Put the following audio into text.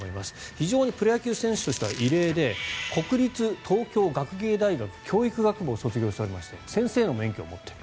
非常にプロ野球選手としては異例で国立東京学芸大学教育学部を卒業されていて先生の免許を持っている。